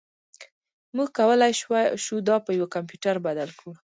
موږ کولی شو دا په یو کمپیوټر بدل کړو